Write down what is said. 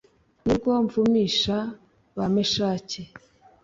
nirwo mvumisha ba meshaki